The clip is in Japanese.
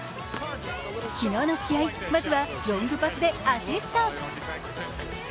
昨日の試合、まずはロングパスでアシスト。